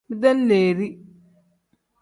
Bidenleeri.